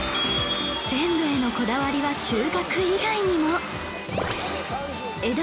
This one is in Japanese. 鮮度へのこだわりは収穫以外にも